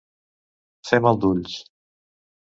Fer mal d'ulls.